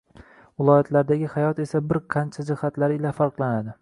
Viloyatlardagi hayot esa bir qancha jihatlari ila farqlanadi.